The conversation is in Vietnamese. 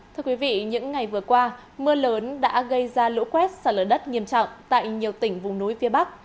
thưa quý vị những ngày vừa qua mưa lớn đã gây ra lũ quét sạt lở đất nghiêm trọng tại nhiều tỉnh vùng núi phía bắc